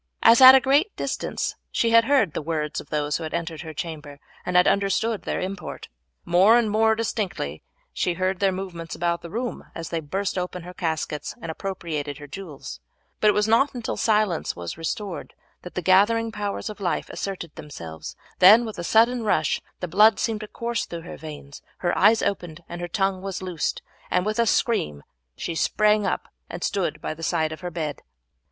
As at a great distance she had heard the words of those who entered her chamber, and had understood their import. More and more distinctly she heard their movements about the room as they burst open her caskets and appropriated her jewels, but it was not until silence was restored that the gathering powers of life asserted themselves; then with a sudden rush the blood seemed to course through her veins, her eyes opened, and her tongue was loosed, and with a scream she sprang up and stood by the side of her bed.